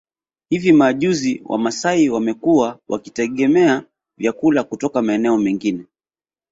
Hivi majuzi Wamasai wamekuwa wakitegemea vyakula kutoka maeneo mengine